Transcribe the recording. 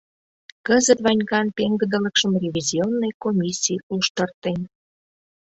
Кызыт Ванькан пеҥгыдылыкшым ревизионный комиссий луштыртен.